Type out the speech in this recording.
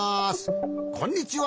こんにちは。